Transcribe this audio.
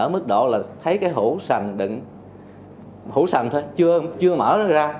bảo là thấy cái hũ xanh đựng hũ xanh thôi chưa mở ra